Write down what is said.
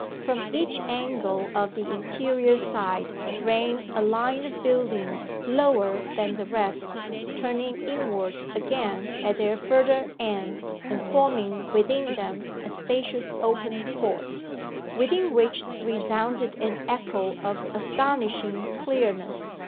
From each angle of the inferior side ran a line of buildings lower than the rest, turning inwards again at their further end, and forming within them a spacious open court, within which resounded an echo of astonishing clearness.